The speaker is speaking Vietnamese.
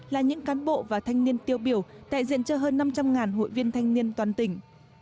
là những cán bộ và thanh niên tiêu biểu đại diện cho hơn năm trăm linh hội viên thanh niên toàn tỉnh